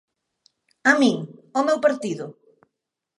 ¿A min?, ¿ao meu partido?